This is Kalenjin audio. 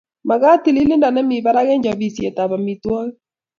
Magat tililindo nemi barak eng chobisietab amitwogik